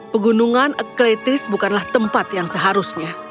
pegunungan aklaitis bukanlah tempat yang seharusnya